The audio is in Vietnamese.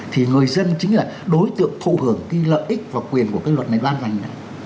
thì người dân chính là đối tượng thụ hưởng cái lợi ích và quyền của cái luật này ban hành